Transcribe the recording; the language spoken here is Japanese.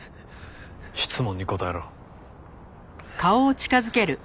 質問に答えろ。